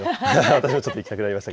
私もちょっと行きたくなりました